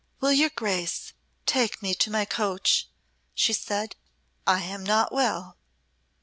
"Will your Grace take me to my coach?" she said. "I am not well."